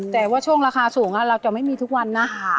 แต่ว่าช่วงราคาสูงเราจะไม่มีทุกวันนะ